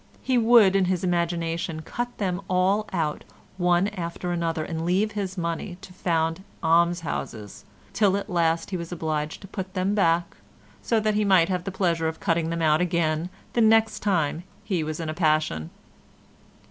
He would in his imagination cut them all out one after another and leave his money to found almshouses, till at last he was obliged to put them back, so that he might have the pleasure of cutting them out again the next time he was in a passion.